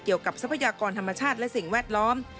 เกี่ยวกับสัพยากรธรรมชาติและสิ่งแวดล้อม